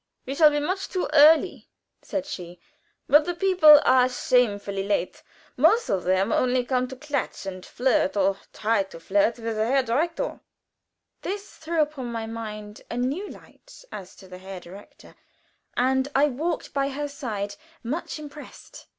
"We shall be much too early," said she. "But the people are shamefully late. Most of them only come to klatsch, and flirt, or try to flirt, with the Herr Direktor." This threw upon my mind a new light as to the Herr Direktor, and I walked by her side much impressed.